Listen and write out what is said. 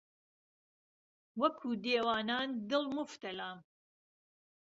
وهکوو دێوانان دڵ موفتهلام